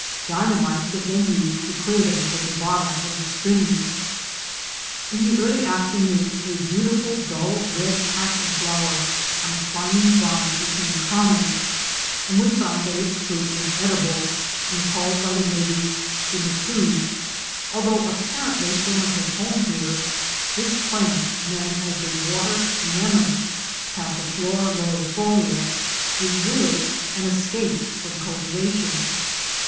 Dynamite was then used to clear them from the bed of the stream. In the early afternoon, a beautiful dull red passion flower on a climbing vine became common, and we found that its fruit was edible and called by the natives Simitti. Although apparently so much at home here, this plant, known as the Water Lemon (Passiflora laurifolia), is really an escape from cultivation.